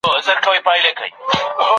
که په قلم کي رنګ ډېر وي نو کاغذ لوند کېږي.